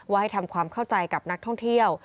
ให้ทำความเข้าใจกับนักท่องเที่ยว